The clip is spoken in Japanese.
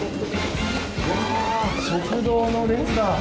うわあ、食堂の列だ！